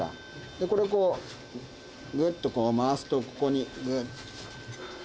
でこれをこうグッと回すとここにグッ。